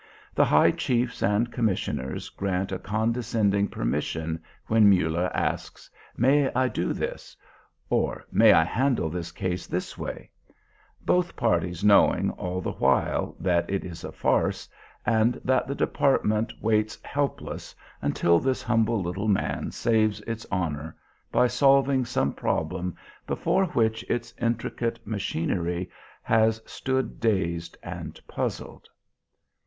The high chiefs and commissioners grant a condescending permission when Muller asks, "May I do this? ... or may I handle this case this way?" both parties knowing all the while that it is a farce, and that the department waits helpless until this humble little man saves its honour by solving some problem before which its intricate machinery has stood dazed and puzzled.